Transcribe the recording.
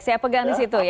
saya pegang di situ ya